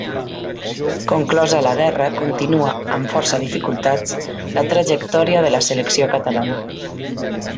Conclosa la guerra continua, amb força dificultats, la trajectòria de la Selecció Catalana.